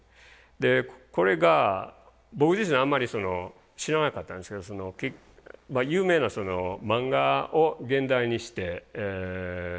でこれが僕自身あんまり知らなかったんですけど有名な漫画を原題にしてこう実写化するもので。